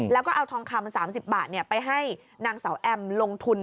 แล้วก็เอาทองคำ๓๐บาทไปให้นางสาวแอมลงทุน